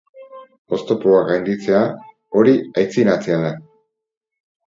Oztopoak gainditzea, hori aitzinatzea da.